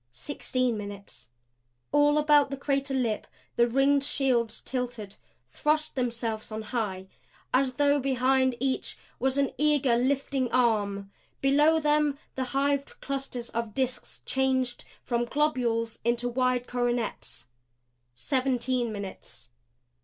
Sixteen minutes. All about the crater lip the ringed shields tilted; thrust themselves on high, as though behind each was an eager lifting arm. Below them the hived clusters of disks changed from globules into wide coronets. Seventeen minutes.